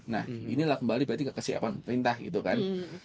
nah inilah kembali berarti kekesiapan perintah gitu kan